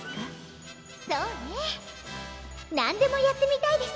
そうね何でもやってみたいです